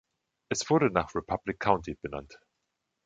Es wurde nach Republic County benannt.